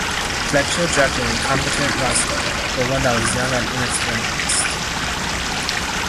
Fletcher drafted a competent roster, but one that was young and inexperienced.